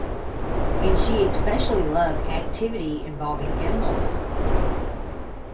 And she especially loved activity involving animals.